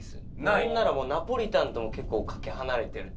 なんならもうナポリタンとも結構かけ離れてる。